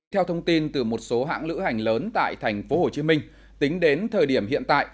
theo thông tin từ một số hãng lữ hành lớn tại tp hcm tính đến thời điểm hiện tại